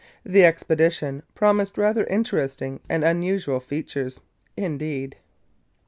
The expedition promised rather interesting and unusual features, indeed!